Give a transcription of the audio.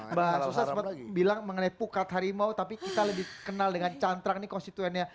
mbak susa sempat bilang mengenai pukat harimau tapi kita lebih kenal dengan cantrang nih konstituennya